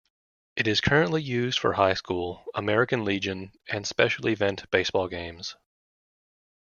It is currently used for high school, American Legion, and special event baseball games.